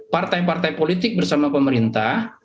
partai partai politik bersama pemerintah